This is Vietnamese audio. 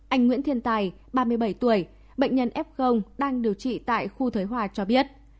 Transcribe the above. anh nguyễn thiên tài ba mươi bảy tuổi bệnh nhân f đang điều trị tại khu thới hòa cho biết